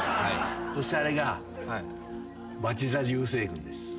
そしてあれがバチェ座流星群です。